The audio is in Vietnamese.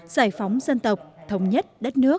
giải phóng dân tộc thống nhất đất nước